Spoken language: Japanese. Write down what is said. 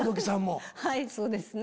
はいそうですね。